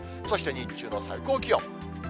そして日中の最高気温。